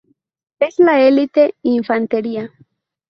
Es la Elite infantería.